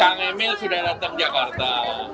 kang emil sudah datang jakarta